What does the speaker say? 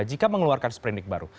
jika mengeluarkan sprindik baru